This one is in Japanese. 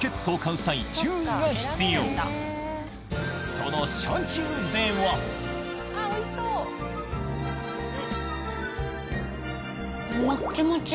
その車中ではん！